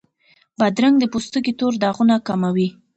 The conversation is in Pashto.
بادرنګ د پوستکي تور داغونه کموي.